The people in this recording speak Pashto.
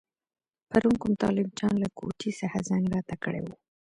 پرون کوم طالب جان له کوټې څخه زنګ راته کړی وو.